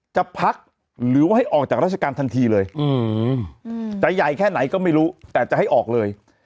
จะพักหรือว่าให้ออกจากราชการทันทีเลยจะใหญ่แค่ไหนก็ไม่รู้แต่จะให้ออกเลย